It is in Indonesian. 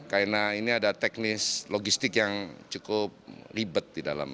karena ini ada teknis logistik yang cukup ribet di dalam